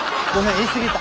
言い過ぎた。